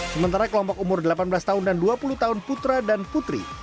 sementara kelompok umur delapan belas tahun dan dua puluh tahun putra dan putri